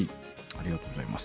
ありがとうございます。